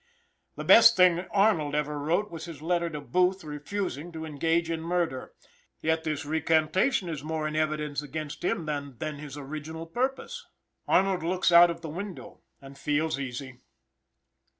The best thing Arnold ever wrote was his letter to Booth refusing to engage in murder. Yet this recantation is more in evidence against than then his original purpose. Arnold looks out of the window, and feels easy.